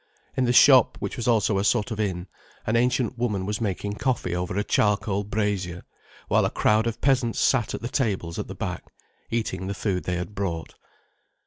In the shop, which was also a sort of inn, an ancient woman was making coffee over a charcoal brazier, while a crowd of peasants sat at the tables at the back, eating the food they had brought.